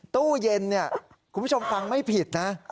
ตู้เย็นเนี่ยคุณผู้ชมฟังไม่ผิดนะ